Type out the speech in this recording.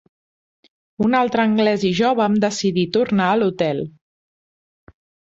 Un altre anglès i jo vam decidir tornar a l'Hotel